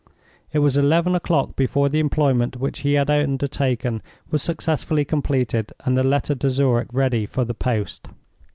It was eleven o'clock before the employment which he had undertaken was successfully completed, and the letter to Zurich ready for the post.